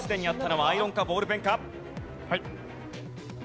はい。